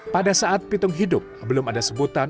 pada saat pitung hidup belum ada sebutan